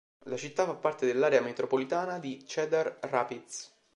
La città fa parte dell'area metropolitana di Cedar Rapids.